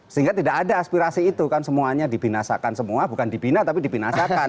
sehingga tidak ada aspirasi itu kan semuanya dibinasakan semua bukan dibina tapi dibinasakan